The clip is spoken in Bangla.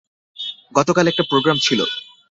গতকাল একটা প্রোগ্রাম ছিলো।